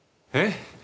え？